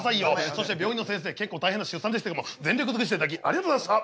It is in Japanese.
そして病院のせんせい結構大変な出産でしたけども全力尽くしていただきありがとうございました。